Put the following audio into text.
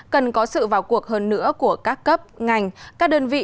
cần có sự vào cuộc hơn nữa của các cấp ngành các đơn vị